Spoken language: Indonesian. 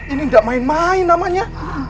ini nggak main main namanya